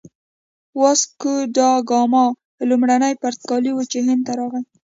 واسکوداګاما لومړی پرتګالی و چې هند ته راغی.